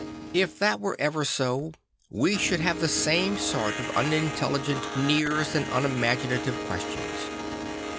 If that were ever so, we should have the same sort of unintelli gent sneers and unimaginative questions.